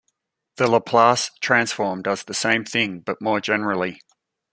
The Laplace transform does the same thing, but more generally.